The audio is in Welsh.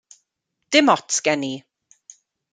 Dim ots gen i.